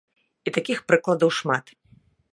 І такіх прыкладаў шмат.